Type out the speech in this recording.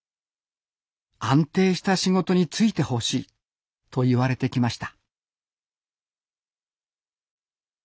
安定した仕事に就いてほしい」と言われてきました